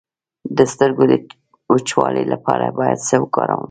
د سترګو د وچوالي لپاره باید څه وکاروم؟